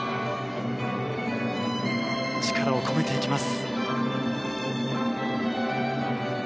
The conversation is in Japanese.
力を込めていきます。